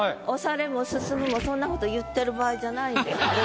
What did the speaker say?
「押され」も「すすむ」もそんなこと言ってる場合じゃないんです。